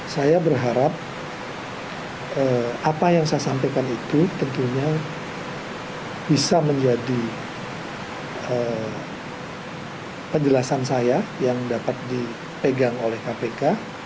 saya berharap apa yang saya sampaikan itu tentunya bisa menjadi penjelasan saya yang dapat dipegang oleh kpk